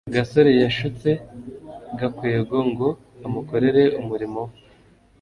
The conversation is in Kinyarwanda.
gasore yashutse gakwego ngo amukorere umurimo we